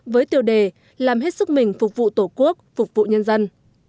với tiêu đề làm hết sức mình phục vụ tổ quốc phục vụ nhân dân